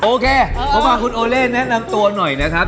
โอเคขอบคุณโอเล่แนะนำตัวหน่อยนะครับ